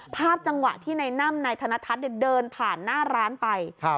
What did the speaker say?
ภาพจังหวะที่นายน่ำนายธนทัศน์เดินผ่านหน้าร้านไป